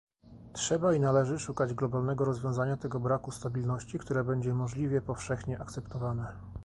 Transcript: Trzeba i należy szukać globalnego rozwiązania tego braku stabilności, które będzie możliwie powszechnie akceptowane